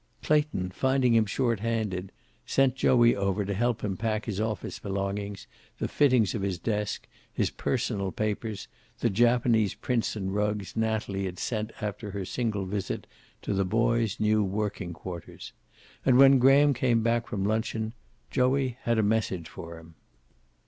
Clayton, finding him short handed, sent Joey over to help him pack up his office belongings, the fittings of his desk, his personal papers, the Japanese prints and rugs Natalie had sent after her single visit to the boy's new working quarters. And, when Graham came back from luncheon, Joey had a message for him.